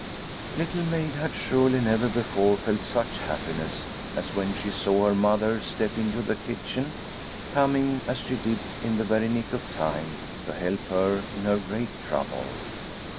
Little Maid had surely never before felt such happiness as when she saw her mother step into the kitchen, coming as she did in the very nick of time to help her in her great trouble.